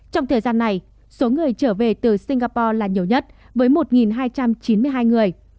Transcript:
trong thời gian này số người trở về từ singapore là nhiều nhất với một hai trăm chín mươi hai người